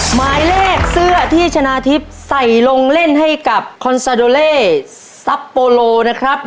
หมายเลขเสื้อที่ชนะทิพย์ใส่ลงเล่นให้กับคอนซาโดเล่ซับโปโลนะครับ